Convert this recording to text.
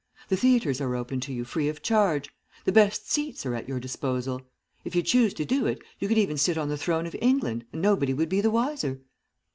The theatres are open to you free of charge. The best seats are at your disposal. If you choose to do it you could even sit on the throne of England, and nobody would be the wiser.'